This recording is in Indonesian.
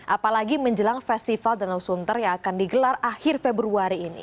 apalagi menjelang festival danau sunter yang akan digelar akhir februari ini